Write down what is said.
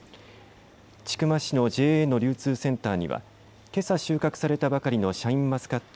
千曲市のＪＡの流通センターにはけさ収穫されたばかりのシャインマスカット